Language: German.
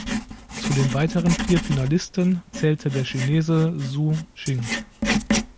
Zu den weiteren vier Finalisten zählte der Chinese Zhou Qing.